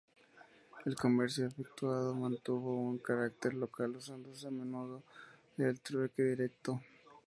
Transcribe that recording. El comercio efectuado mantuvo un carácter local, usándose a menudo el trueque directo.